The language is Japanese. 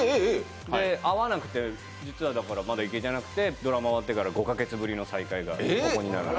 合わなくて、実はだから、まだ行けてなくてドラマ終わってから５か月ぶりの再開がここになるんです。